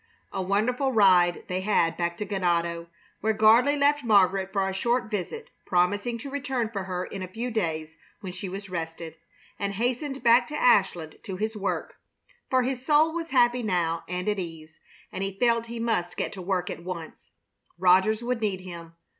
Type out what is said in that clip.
A wonderful ride they had back to Ganado, where Gardley left Margaret for a short visit, promising to return for her in a few days when she was rested, and hastened back to Ashland to his work; for his soul was happy now and at ease, and he felt he must get to work at once. Rogers would need him.